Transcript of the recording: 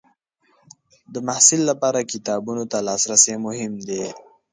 د محصل لپاره کتابونو ته لاسرسی مهم دی.